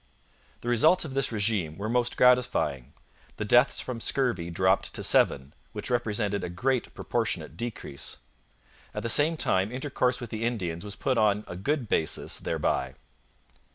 The results of this regime were most gratifying. The deaths from scurvy dropped to seven, which represented a great proportionate decrease. At the same time, intercourse with the Indians was put on a good basis thereby.